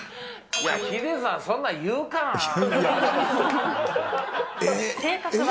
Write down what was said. ヒデさん、そんなん言うかな。